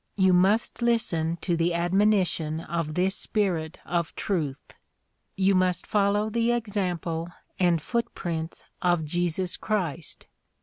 You must listen to the admonition of this Spirit of truth. You must follow the example and foot prints of Jesus Christ.